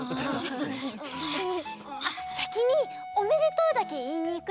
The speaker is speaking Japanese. あっさきに「おめでとう」だけいいにいく？